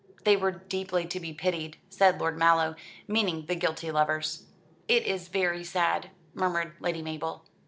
"They were deeply to be pitied," said Lord Mallow, meaning the guilty lovers. "It was very sad," murmured Lady Mabel.